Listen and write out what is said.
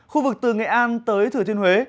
khu vực từ nghệ an tới thừa thiên huế